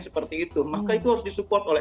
seperti itu maka itu harus disupport oleh